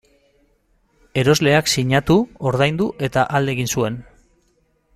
Erosleak sinatu, ordaindu eta alde egin zuen.